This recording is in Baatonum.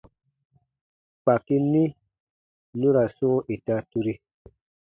Kpaki ni nu ra sɔ̃ɔ ita turi.